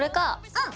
うん！